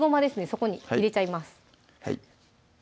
そこに入れちゃいます